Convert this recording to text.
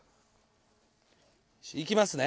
いきますね。